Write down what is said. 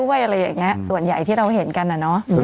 ผมว่ามาจากคนนี้อ่ะ